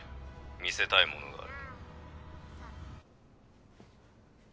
見せたいものがある。